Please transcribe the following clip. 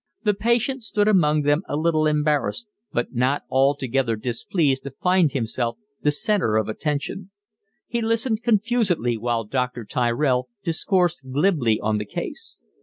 The patient stood among them a little embarrassed, but not altogether displeased to find himself the centre of attention: he listened confusedly while Dr. Tyrell discoursed glibly on the case.